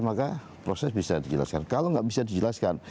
maka proses bisa dijelaskan kalau nggak bisa dijelaskan